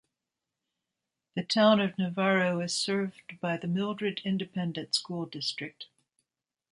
The Town of Navarro is served by the Mildred Independent School District.